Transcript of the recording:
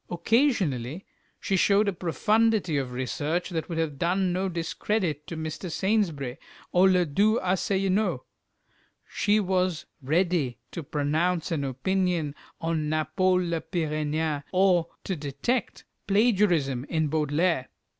Occasionally she showed a profundity of research that would have done no discredit to Mr. Saintsbury or "le doux Assellineau." She was ready to pronounce an opinion on Napol le Pyrénéan or to detect a plagiarism in Baudelaire.